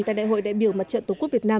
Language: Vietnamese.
tại đại hội đại biểu mặt trận tổ quốc việt nam